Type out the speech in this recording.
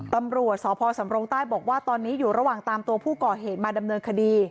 ตำรวจสพสำรงใต้บอกว่าตอนนี้อยู่ระหว่างตามตัวผู้ก่อเหตุมาดำเนินคดี